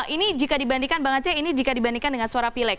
ini jika dibandingkan bang aceh ini jika dibandingkan dengan suara pilek